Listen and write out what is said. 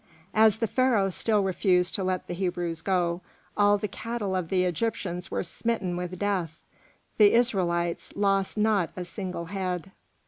As the Pharaoh still refused to let the Hebrews go, all the cattle of the Egyptians were smitten with death; the Israelites lost not a single head.